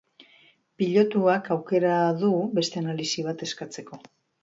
Pilotuak aukera du beste analisi bat eskatzeko.